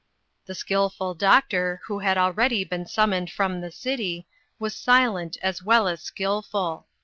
The skillful doctor, who had already been summoned from the city, was silent as well as skillful.